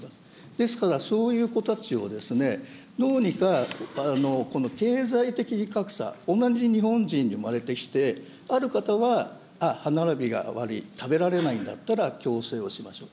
ですから、そういう子たちをどうにかこの経済的格差、同じ日本人に生まれてきて、ある方は歯並びが悪い、食べられないんだったら矯正をしましょう。